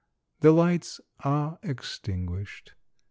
The lights are extinguished.